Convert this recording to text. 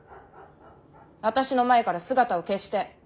私の前から姿を消して。